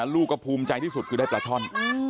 ลูกก็ภูมิใจที่สุดคือได้ปลาช่อน